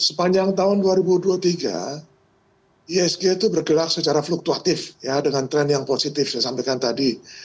sepanjang tahun dua ribu dua puluh tiga isg itu bergerak secara fluktuatif dengan tren yang positif saya sampaikan tadi